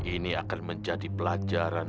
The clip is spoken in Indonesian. ini akan menjadi pelajaran